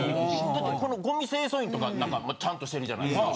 だってこのごみ清掃員とか何かまあちゃんとしてるじゃないですか。